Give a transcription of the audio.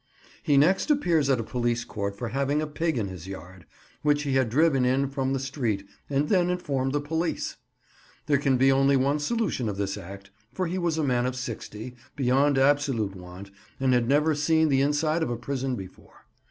He next appears at a police court for having a pig in his yard, which he had driven in from the street, and then informed the police. There can be only one solution of this act, for he was a man of sixty, beyond absolute want, and had never seen the inside of a prison before.